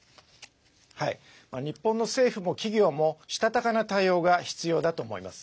日本の政府も企業もしたたかな対応が必要だと思います。